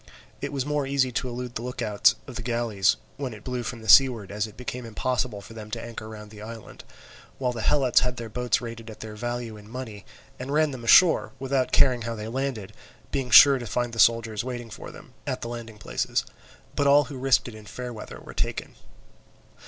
It was more easy to elude the look out of the galleys, when it blew from the seaward, as it became impossible for them to anchor round the island; while the Helots had their boats rated at their value in money, and ran them ashore, without caring how they landed, being sure to find the soldiers waiting for them at the landing places. But all who risked it in fair weather were taken.